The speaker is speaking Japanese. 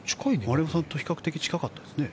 丸山さんと比較的近かったですね。